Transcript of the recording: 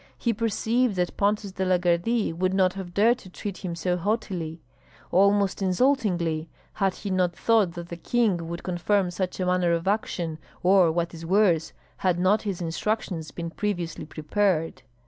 He conceived that Pontus de la Gardie would not have dared to treat him so haughtily, almost insultingly, had he not thought that the king would confirm such a manner of action, or what is worse, had not his instructions been previously prepared.